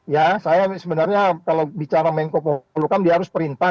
ya saya sebenarnya kalau bicara menko polukam dia harus perintah